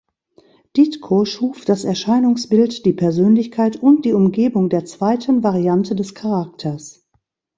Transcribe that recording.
Ditko schuf das Erscheinungsbild, die Persönlichkeit und die Umgebung der zweiten Variante des Charakters.